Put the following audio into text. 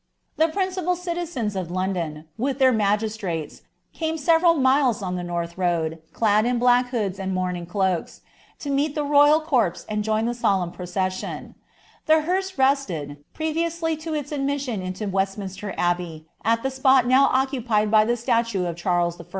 The principal citizens of London, with their ma r, came several miles on the north road, clad in black hoods and ur cloaks, to meet the royal corpse and join the solemn proces rhe hearse rested, previously to its admission into Westminster at the spot now occupied by the statue of Charles I.